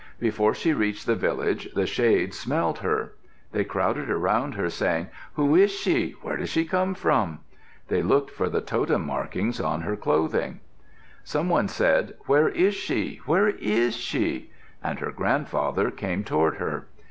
Before she reached the village the shades smelled her. They crowded around her, saying, "Who is she? Where does she come from?" They looked for the totem marks on her clothing. Some one said, "Where is she? Where is she?" and her grandfather came toward her.